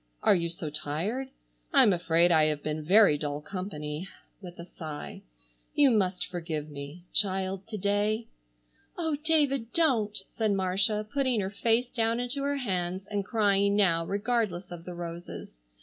"Are you so tired? I'm afraid I have been very dull company," with a sigh. "You must forgive me—child, to day." "Oh, David, don't," said Marcia putting her face down into her hands and crying now regardless of the roses.